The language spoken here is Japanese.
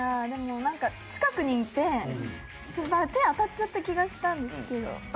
近くにいて、手が当たっちゃった気がしたんですけど。